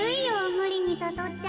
むりにさそっちゃ。